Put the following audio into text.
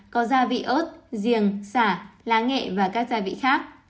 có gia vị ớt riềng sả lá nghệ và các gia vị khác